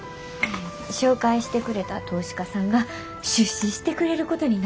紹介してくれた投資家さんが出資してくれることになった。